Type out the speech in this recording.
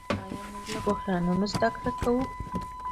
آیا موږ له بحرانونو زده کړه کوو؟